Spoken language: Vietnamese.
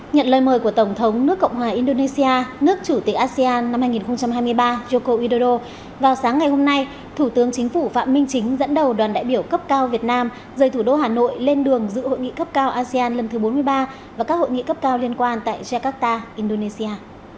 nhận lời mời của tổng thống nước cộng hòa indonesia nước chủ tịch asean năm hai nghìn hai mươi ba yoko udodo vào sáng ngày hôm nay thủ tướng chính phủ phạm minh chính dẫn đầu đoàn đại biểu cấp cao việt nam rời thủ đô hà nội lên đường giữ hội nghị cấp cao asean lần thứ bốn mươi ba và các hội nghị cấp cao liên quan tại jakarta indonesia